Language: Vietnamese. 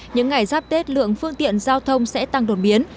những ngày giáp tết lượng phương tiện giao thông sẽ tăng đột biến